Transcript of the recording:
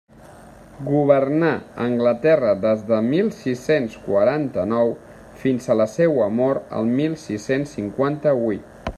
Governà Anglaterra des de mil sis-cents quaranta-nou fins a la seua mort en mil sis-cents cinquanta-huit.